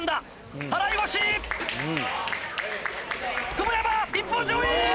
久保山一本背負！